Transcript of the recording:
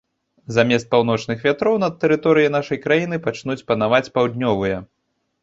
Замест паўночных вятроў над тэрыторыяй нашай краіны пачнуць панаваць паўднёвыя.